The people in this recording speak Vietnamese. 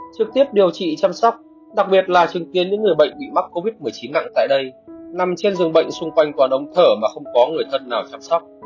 trực tiếp điều trị chăm sóc đặc biệt là chứng kiến những người bệnh bị mắc covid một mươi chín nặng tại đây nằm trên giường bệnh xung quanh tòa ống thở mà không có người thân nào chăm sóc